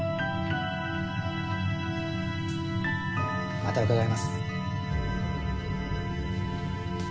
また伺います。